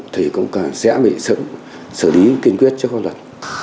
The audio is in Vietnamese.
thì cũng sẽ bị xử lý kiên quyết cho con luật